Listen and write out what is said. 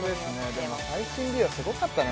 でも最新美容すごかったね